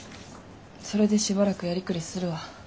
それでしばらくやりくりするわ。